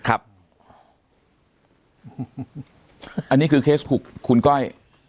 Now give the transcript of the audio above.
อันนี้คือเคสถูกคุณก้อย